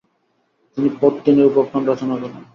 তিনি পদ্মিনী উপাখ্যান রচনা করেন।